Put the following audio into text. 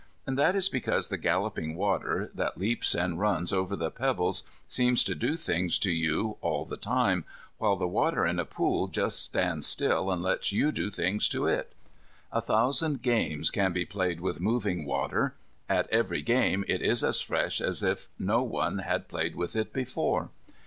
And that is because the galloping water, that leaps and runs over the pebbles, seems to do things to you all the time, while the water in a pond just stays still and lets you do things to it. A thousand games can be played with moving water; at every game it is as fresh as if no one had played with it before.